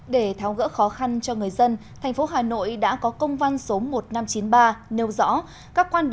để tháo gỡ khó khăn cho người dân thành phố hà nội đã có công văn số một nghìn năm trăm chín mươi ba nêu rõ